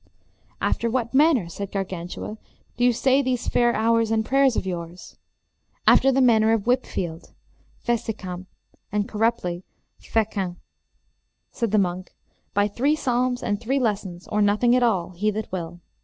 After what manner, said Gargantua, do you say these fair hours and prayers of yours? After the manner of Whipfield (Fessecamp, and corruptly Fecan.), said the monk, by three psalms and three lessons, or nothing at all, he that will.